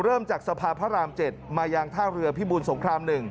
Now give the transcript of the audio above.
เริ่มจากสภาพพระราม๗มายังท่าเรือพิบูลสงคราม๑